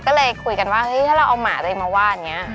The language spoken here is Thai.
ก็เลยค่อยเพิ่มมาซึ้งเรื่อย